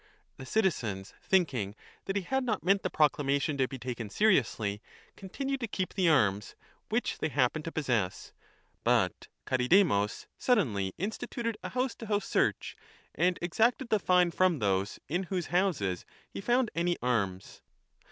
The citizens, thinking that he had not meant the proclamation to be taken seriously, continued to keep the arms which they happened to possess. But Charidemus suddenly instituted a house to house search and exacted the fine from those in whose 35 houses he found any arms.